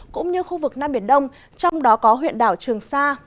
cũng như khu vực nam biển đông trong đó có huyện đảo trường sa